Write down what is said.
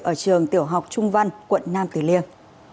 ở trường tiểu học trung văn quận nam tử liêm